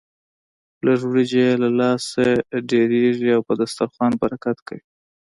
لږ وريجې يې له لاسه ډېرېږي او په دسترخوان برکت کوي.